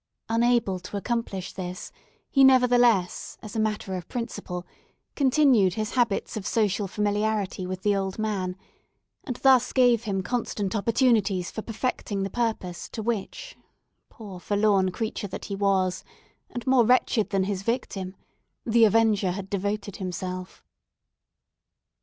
Unable to accomplish this, he nevertheless, as a matter of principle, continued his habits of social familiarity with the old man, and thus gave him constant opportunities for perfecting the purpose to which—poor forlorn creature that he was, and more wretched than his victim—the avenger had devoted himself.